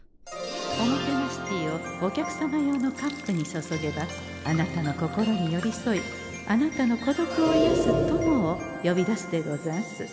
おもてなしティーをお客様用のカップにそそげばあなたの心によりそいあなたの孤独をいやす友をよびだすでござんす。